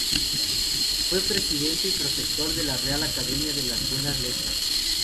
Fue presidente y protector de la Real Academia de las Buenas Letras.